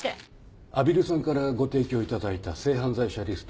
阿比留さんからご提供いただいた性犯罪者リスト。